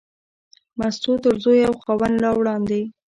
مستو تر زوی او خاوند لا وړاندې.